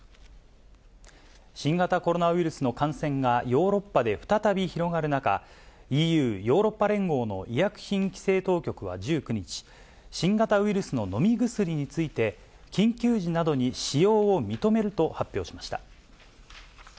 新型コロナウイルスの感染がヨーロッパで再び広がる中、ＥＵ・ヨーロッパ連合の医薬品規制当局は１９日、新型ウイルスの飲み薬について、緊急時などに使用を認めると発表しました。